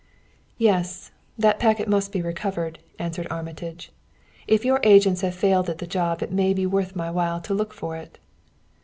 "Yes; that packet must be recovered," answered Armitage. "If your agents have failed at the job it may be worth my while to look for it."